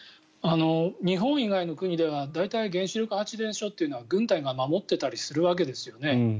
日本以外の国では大体、原子力発電所というのは軍隊が守ってたりするわけですよね。